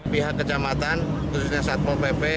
pihak kecamatan khususnya satpol pp